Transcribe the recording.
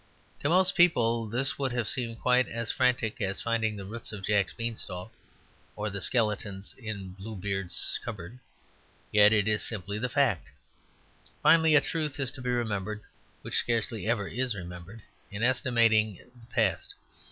To most people this would have seemed quite as frantic as finding the roots of Jack's Beanstalk or the skeletons in Bluebeard's cupboard, yet it is simply the fact. Finally, a truth is to be remembered which scarcely ever is remembered in estimating the past.